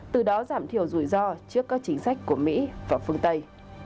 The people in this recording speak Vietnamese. từ đó giảm thiểu rủi ro trước các chính sách của mỹ và phương tây